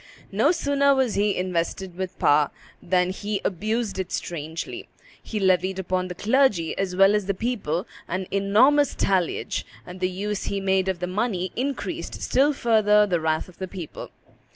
No sooner was he invested with power than he abused it strangely; he levied upon the clergy as well as the people an enormous talliage, and the use he made of the money increased still further the wrath of the public.